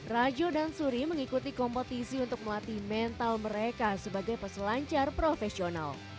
rajo dan suri mengikuti kompetisi untuk melatih mental mereka sebagai peselancar profesional